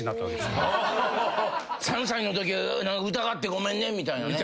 ３歳のとき疑ってごめんねみたいなね。